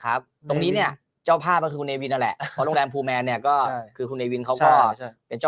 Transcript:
ประชุมในหลายงานนะครับเขามาแข่งกับตัวที่นี่เนอะ